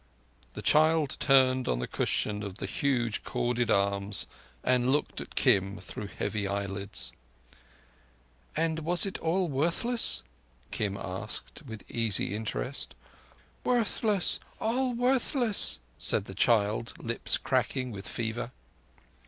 The child turned on the cushion of the huge corded arms and looked at Kim through heavy eyelids. "And was it all worthless?" Kim asked, with easy interest. "All worthless—all worthless," said the child, lips cracking with fever.